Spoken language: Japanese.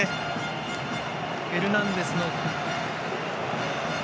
フェルナンデスの。